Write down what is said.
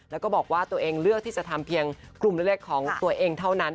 แล้วก็บอกว่าตัวเองเลือกที่จะทำเพียงกลุ่มเล็กของตัวเองเท่านั้น